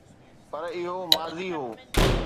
پر اهو ماضي هو.